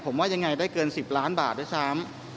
ผมว่ายังไงได้เกิน๑๐ล้านบาทด้วยซ้ำ